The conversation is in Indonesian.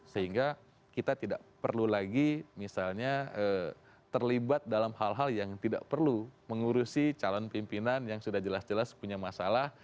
sehingga kita tidak perlu lagi misalnya terlibat dalam hal hal yang tidak perlu mengurusi calon pimpinan yang sudah jelas jelas punya masalah